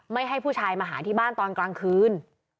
ให้ผู้ชายมาหาที่บ้านตอนกลางคืน